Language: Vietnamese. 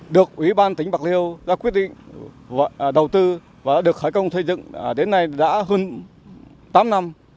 được ủy ban tỉnh bạc liêu đã quyết định đầu tư và được khởi công xây dựng đến nay đã hơn tám năm